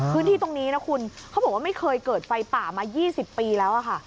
พื้นที่ตรงนี้นะคุณเขาบอกว่าไม่เคยเกิดไฟป่ามา๒๐ปีแล้วค่ะ